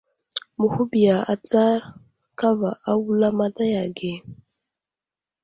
Məhuɓiya atsar kava a wulamataya ge.